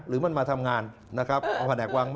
หรือมันมาทำงานนะครับ